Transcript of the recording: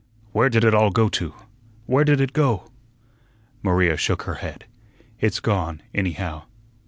"Where did it all go to? Where did it go?" Maria shook her head. "It's gone, anyhow."